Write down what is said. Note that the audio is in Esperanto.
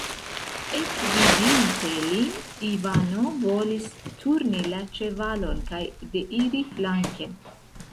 Ekvidinte lin, Ivano volis turni la ĉevalon kaj deiri flanken.